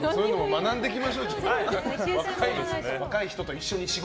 学んでいきましょう。